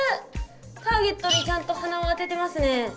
ターゲットにちゃんと鼻をあててますね。